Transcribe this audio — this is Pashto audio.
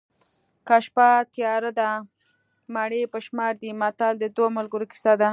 که شپه تیاره ده مڼې په شمار دي متل د دوو ملګرو کیسه ده